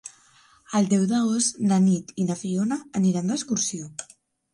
El deu d'agost na Nit i na Fiona aniran d'excursió.